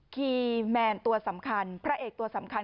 คีย์แมนตัวสำคัญพระเอกตัวสำคัญ